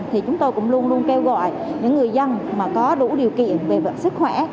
thì chúng tôi cũng luôn luôn kêu gọi những người dân mà có đủ điều kiện về sức khỏe